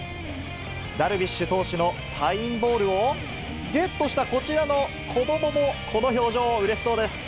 ダルビッシュ投手のサインボールをゲットしたこちらの子どももこの表情、うれしそうです。